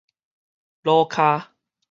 魯跤